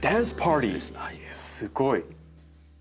すごい！